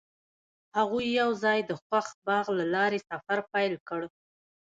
هغوی یوځای د خوښ باغ له لارې سفر پیل کړ.